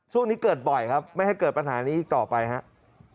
ช่วงนี้เกิดบ่อยครับไม่ให้เกิดปัญหานี้อีกต่อไปครับ